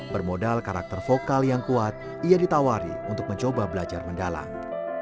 bermodal karakter vokal yang kuat ia ditawari untuk mencoba belajar mendalang